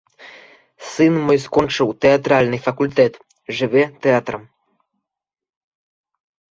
Сын мой скончыў тэатральны факультэт, жыве тэатрам.